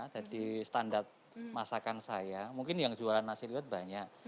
jadi standar masakan saya mungkin yang jualan nasi liut banyak